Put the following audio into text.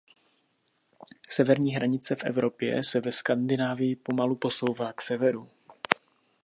Severní hranice v Evropě se ve Skandinávii pomalu posouvá k severu.